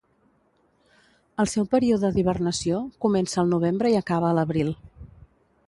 El seu període d'hibernació comença al novembre i acaba a l'abril.